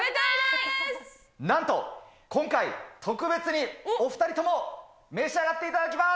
なんと今回、特別に、お二人とも、召し上がっていただきます。